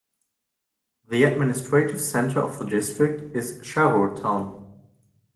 The administrative center of the district is the Sharur town.